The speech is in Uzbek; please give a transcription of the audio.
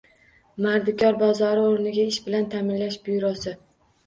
Mardikor bozori o‘rnida ish bilan ta’minlash byurosi